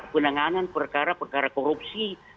penanganan perkara perkara korupsi